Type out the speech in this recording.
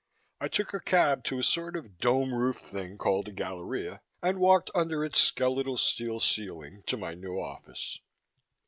I took a cab to a sort of dome roofed thing called a galleria, and walked under its skeletal steel ceiling to my new office.